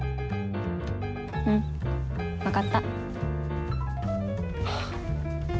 うん分かった。